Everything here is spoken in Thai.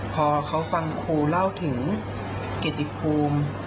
พอเขาฟังครูเล่าถึงเกียรติภูมิ